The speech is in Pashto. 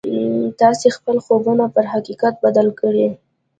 تاسې خپل خوبونه پر حقيقت بدل کړئ.